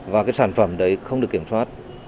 và cái sản phẩm đấy không được kiểm soát